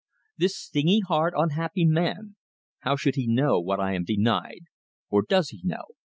This stingy, hard, unhappy man how should he know what I am denied! Or does he know?